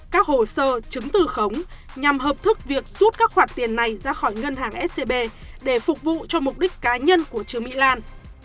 các hồ sơ chứng từ khống nhằm hợp thức việc rút các khoản tiền này ra khỏi ngân hàng scb để phục vụ cho mục đích cá nhân của trương mỹ lan